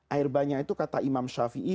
air banyak itu kata imam syafi'i